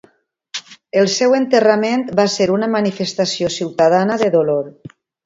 El seu enterrament va ser una manifestació ciutadana de dolor.